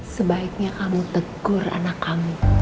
sebaiknya kamu tegur anak kamu